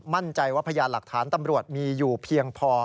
มั่นใจว่าพยานหลักฐานตำรวจมีอยู่เพียงพอ